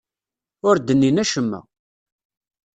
Ur d-nnin acemma.